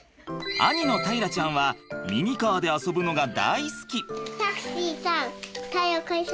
兄の大樂ちゃんはミニカーで遊ぶのが大好き。